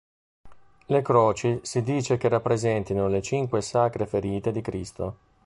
Le croci si dice che rappresentino le cinque sacre ferite di Cristo.